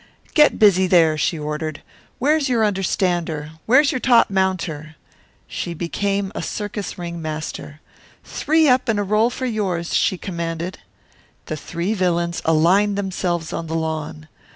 "Get busy, there!" she ordered. "Where's your understander where's your top mounter?" She became a circus ringmaster. "Three up and a roll for yours," she commanded. The three villains aligned themselves on the lawn.